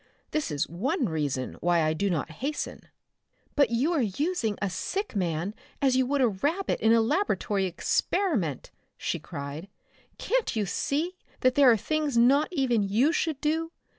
This is one reason why I do not hasten." "But you are using a sick man as you would use a rabbit in a laboratory experiment!" she cried. "Can't you see that there are things not even you should do?